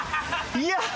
いや。